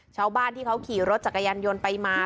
ชาวบ้านที่เขาขี่รถจักรยานยนต์ไปมา